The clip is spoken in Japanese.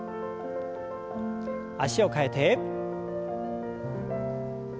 脚を替えて。